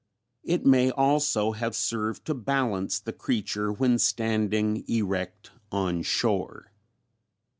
It may also have served to balance the creature when standing erect on shore.